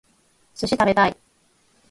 寿司食べたい